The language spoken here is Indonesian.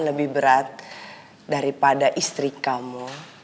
lebih berat daripada istri kamu